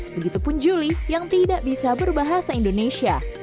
begitu pun julie yang tidak bisa berbahasa indonesia